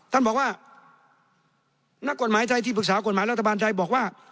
ท่านบอกว่านักกฎหมายไทยที่ปรึกษากฎหมายรัฐบาลไทยบอกว่า